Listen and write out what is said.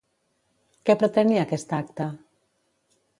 Què pretenia aquest acte?